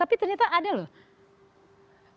tapi ternyata ada loh